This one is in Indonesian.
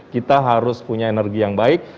kita harus punya energi yang baik